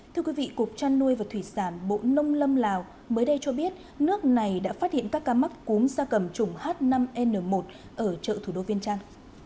thưa quý vị cục trăn nuôi và thủy sản bộ nông lâm lào mới đây cho biết nước này đã phát hiện các ca mắc cúm gia cầm chủng h năm n một ở chợ thủ đô viên trăn